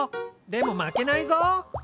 でも負けないぞ！